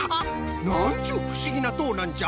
なんちゅうふしぎなとうなんじゃ。